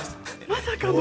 まさかの。